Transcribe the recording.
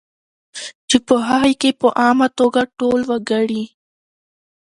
چې په هغې کې په عامه توګه ټول وګړي